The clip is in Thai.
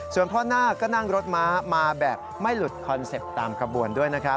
ส่วนพ่อนาคก็นั่งรถม้ามาแบบไม่หลุดคอนเซ็ปต์ตามกระบวนด้วยนะครับ